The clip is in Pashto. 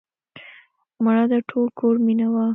مړه د ټول کور مینه وه